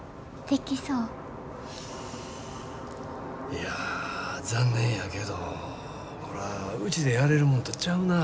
いや残念やけどこらうちでやれるもんとちゃうな。